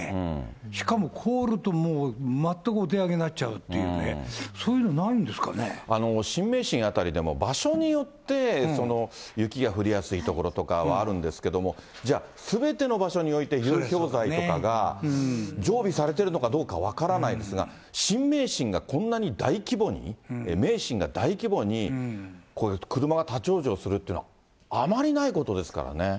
しかも凍るともう全くお手上げになっちゃうっていうね、そういう新名神辺りでも、場所によって、雪が降りやすい所とかはあるんですけども、じゃあすべての場所において、融雪剤とかが常備されてるのかどうか、分からないですが、新名神がこんなに大規模に、名神が大規模に、車が立往生するっていうのは、あまりないことですからね。